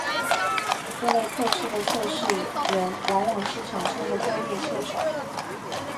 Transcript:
这类测试的测试人往往是厂商的专业车手。